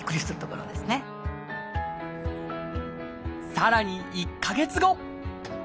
さらに１か月後。